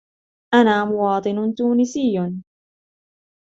أنا مواطن تونسي.